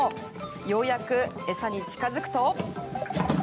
ようやく餌に近付くと。